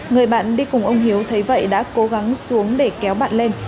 người bạn đi cùng ông hiếu thấy vậy đã cố gắng xuống để kéo bạn lên